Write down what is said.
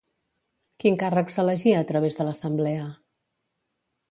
Quin càrrec s'elegia a través de l'assemblea?